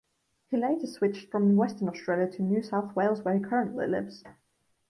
He later switched from Western Australia to New South Wales where he currently lives.